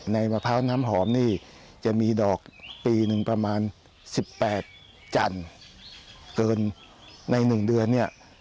มะพร้าวน้ำหอมนี่จะมีดอกปีหนึ่งประมาณ๑๘จันทร์เกินใน๑เดือนเนี่ย